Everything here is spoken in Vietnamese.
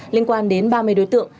liên quan đến ba mươi đối tượng